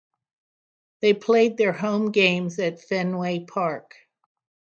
They played their home games at Fenway Park.